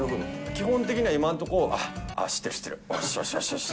基本的には今のところ、知ってる、知ってる、よしよしよ